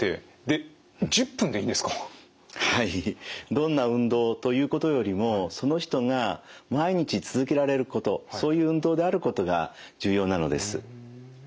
どんな運動ということよりもその人が毎日続けられることそういう運動であることが重要なのです。